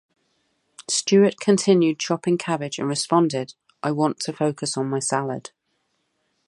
Stewart continued chopping cabbage and responded: I want to focus on my salad.